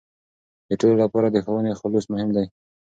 د ټولو لپاره د ښوونې خلوص مهم دی.